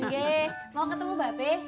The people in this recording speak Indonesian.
oke mau ketemu mbak be